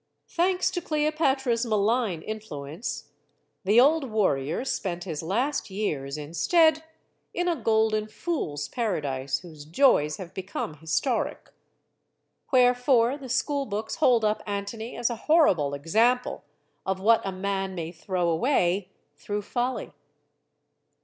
CLEOPATRA 147 Thanks to Cleopatra's malign influence, the old warrior spent his last years, instead, in a golden Fool's Paradise, whose joys have become historic. Where fore, the schoolbooks hold up Antony as a horrible example of what a man may throw away, through folly.